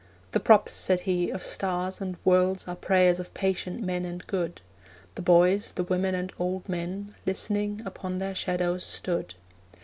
'The props,' said He, 'of stars and worlds Are prayers of patient men and good.' The boys, the women, and old men, Listening, upon their shadows stood.